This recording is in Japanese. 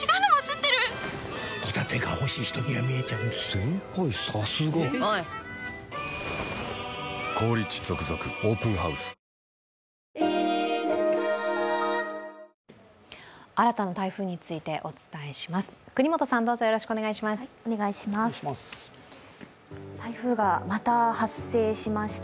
新たな台風についてお伝えします。